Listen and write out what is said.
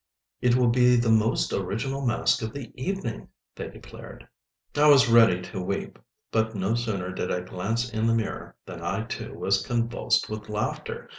"It will be the most original mask of the evening," they declared. I was ready to weep; but no sooner did I glance in the mirror than I too was convulsed with laughter.